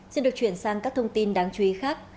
xin được chuyển sang các thông tin đáng chú ý khác